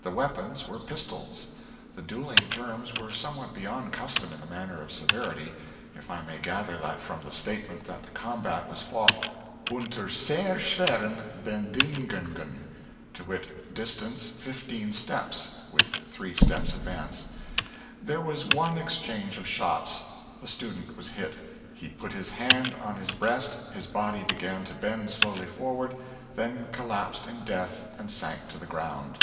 The weapons were pistols. The duelling terms were somewhat beyond custom in the matter of severity, if I may gather that from the statement that the combat was fought "unter sehr schweren Bedingungen" to wit, "Distance, 15 steps with 3 steps advance." There was but one exchange of shots. The student was hit. "He put his hand on his breast, his body began to bend slowly forward, then collapsed in death and sank to the ground."